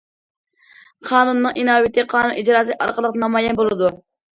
قانۇننىڭ ئىناۋىتى قانۇن ئىجراسى ئارقىلىق نامايان بولىدۇ.